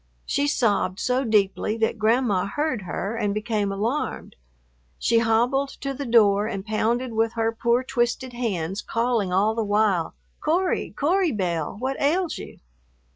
She sobbed so deeply that Grandma heard her and became alarmed. She hobbled to the door and pounded with her poor twisted hands, calling all the while, "Cory, Cory Belle, what ails you?"